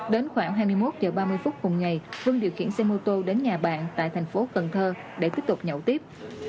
đến khoảng hai mươi một h ba mươi phút cùng ngày vương điều khiển xe mô tô đến nhà bạn tại thành phố cần thơ để tiếp tục nhậu tiếp